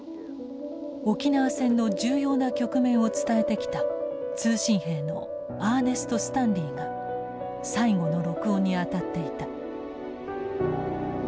沖縄戦の重要な局面を伝えてきた通信兵のアーネスト・スタンリーが最後の録音に当たっていた。